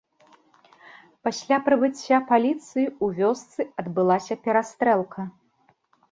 Пасля прыбыцця паліцыі ў вёсцы адбылася перастрэлка.